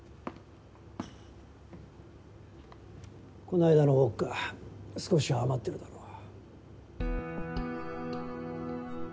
この間のウォッカ少しは余ってるだろう。